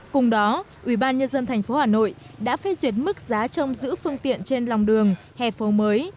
cùng đó ủy ban nhân dân thành phố hà nội đã phê duyệt mức giá chung giữ phương tiện trên lòng đường hè phố mới